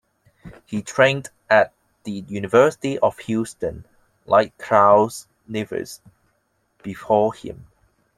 He trained at the University of Houston, like Carl Lewis before him.